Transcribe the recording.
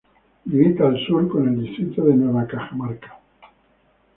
Limita sur con el Distrito de Nueva Cajamarca.